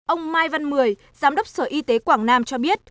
ông mai văn mười giám đốc sở y tế quảng nam cho biết